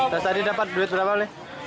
tadi dapat duit berapa pak